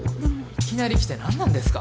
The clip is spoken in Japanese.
いきなり来て何なんですか？